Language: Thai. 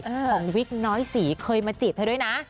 ของวิกน้อยศรีเคยมาจีบเธอด้วยนะ